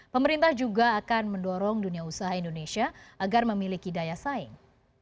pemerintah juga akan mendorong dunia usaha indonesia agar memiliki daya saing